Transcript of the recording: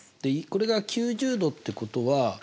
これが９０°ってことは。